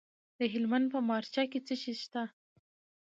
د هلمند په مارجه کې څه شی شته؟